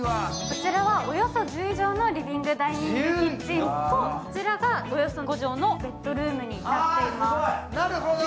こちらはおよそ１０畳のリビングダイニングキッチンとこちらが、およそ５畳のベッドルームになっています。